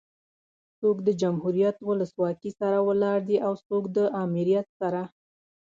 څوک د جمهوريت ولسواکي سره ولاړ دي او څوک ده امريت سره